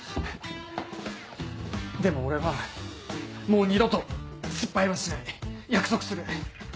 でも俺はもう二度と失敗はしない約束する。